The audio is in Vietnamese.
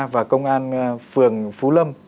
và công an phường phú lâm